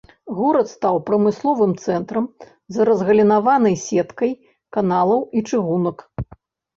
Горад стаў прамысловым цэнтрам з разгалінаванай сеткай каналаў і чыгунак.